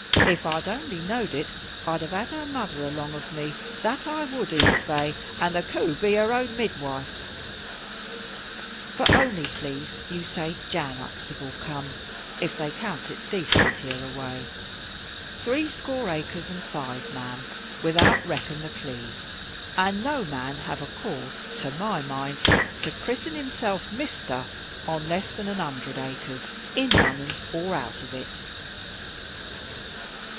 If I had only knowed it I'd have had her mother along of me, that I would ees fai, and the coo be her own midwaife. But ony plase you say Jan Uxtable come if they count it dacent hereaway. Threescore acres and five, ma'am, without reckon the Cleeve, and no man have a call, to my mind, to christen himself "Mister" on less than a hundred acres, in Lunnon or out of it.